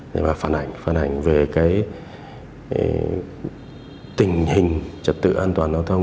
và phản ảnh về cái tình hình trật tự an toàn giao thông